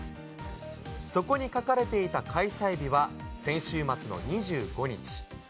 そこに書かれていた開催日は、先週末の２５日。